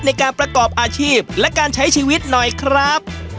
ในการประกอบอาชีพและการใช้ชีวิตหน่อยครับ